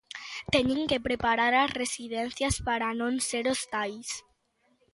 Teñen que preparar as residencias para non ser hostais.